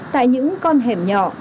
tại những con hẻm nhỏ